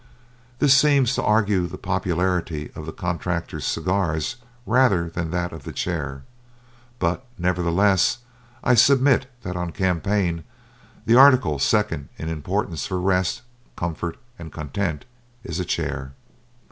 This seems to argue the popularity of the contractor's cigars rather than that of the chair, but, nevertheless, I submit that on a campaign the article second in importance for rest, comfort, and content is a chair.